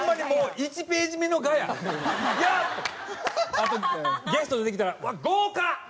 あとゲスト出てきたら「豪華！」。